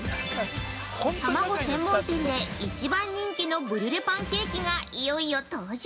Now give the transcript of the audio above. たまご専門店で１番人気のブリュレパンケーキがいよいよ登場！